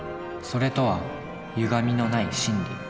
「それ」とはゆがみのない真理。